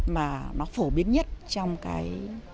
mà nó phổ biến nhất trong cái